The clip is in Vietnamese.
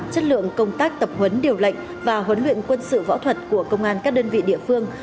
chất lượng công tác tập huấn điều lệnh và huấn luyện quân sự võ thuật của công an các đơn vị địa phương